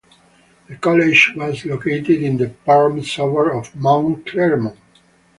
The college was located in the Perth suburb of Mount Claremont.